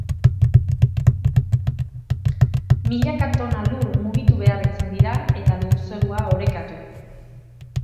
Milaka tona lur mugitu behar izan dira eta lurzorua orekatu.